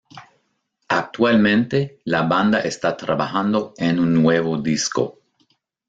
Actualmente la banda está trabajando en un nuevo disco.